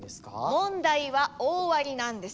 問題は大ありなんです。